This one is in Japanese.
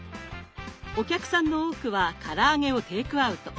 お客さんの多くはから揚げをテイクアウト。